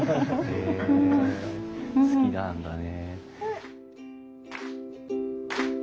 へえ好きなんだね。